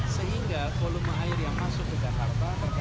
sehingga volume air yang masuk ke jakarta